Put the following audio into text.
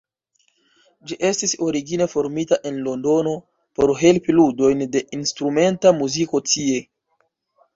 Ĝi estis origine formita en Londono por helpi ludojn de instrumenta muziko tie.